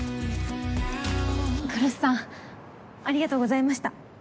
来栖さんありがとうございました。